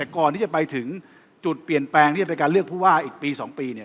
ก่อนที่จะไปถึงจุดเปลี่ยนแปลงที่จะเป็นการเลือกผู้ว่าอีกปี๒ปีเนี่ย